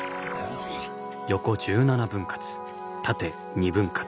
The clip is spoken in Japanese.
横１７分割縦２分割。